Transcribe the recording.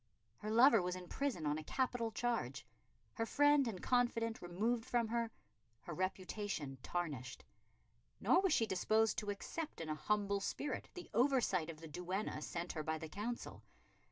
Her lover was in prison on a capital charge, her friend and confidant removed from her, her reputation tarnished. Nor was she disposed to accept in a humble spirit the oversight of the duenna sent her by the Council.